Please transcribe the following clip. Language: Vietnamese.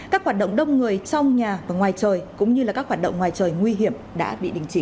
các hoạt động đông người trong nhà và ngoài trời cũng như các hoạt động ngoài trời nguy hiểm đã bị đình chỉ